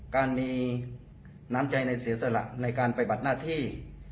การมีน้ำใจในเสียสละในการปฏิบัติหน้าที่